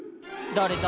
誰だ？